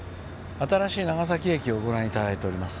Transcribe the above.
新しい長崎駅をご覧いただいております。